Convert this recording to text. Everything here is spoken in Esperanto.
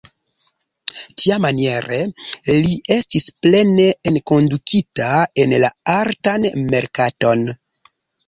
Tiamaniere li estis plene enkondukita en la artan merkaton.